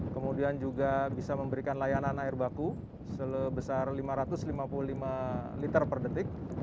kemudian juga bisa memberikan layanan air baku sebesar lima ratus lima puluh lima liter per detik